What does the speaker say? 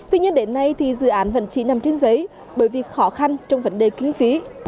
tuy nhiên đến nay thì dự án vẫn chỉ nằm trên giấy bởi vì khó khăn trong vấn đề kinh phí